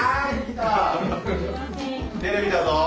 テレビだぞぉ！